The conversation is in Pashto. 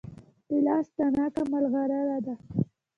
د لاس تڼاکه ملغلره ده.